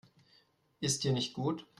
Ist dir nicht gut?